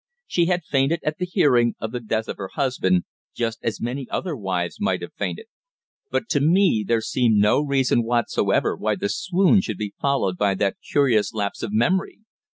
She had fainted at hearing of the death of her husband, just as many other wives might have fainted; but to me there seemed no reason whatsoever why the swoon should be followed by that curious lapse of memory.